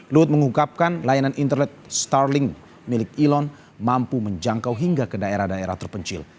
luhut mengungkapkan layanan internet starling milik elon mampu menjangkau hingga ke daerah daerah terpencil